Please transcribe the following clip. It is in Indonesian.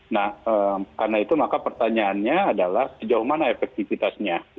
nah karena itu maka pertanyaannya adalah sejauh mana efektivitasnya